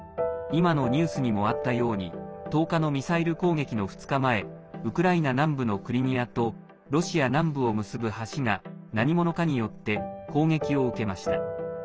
今のニュースにもあったように１０日のミサイル攻撃の２日前ウクライナ南部のクリミアとロシア南部を結ぶ橋が何者かによって攻撃を受けました。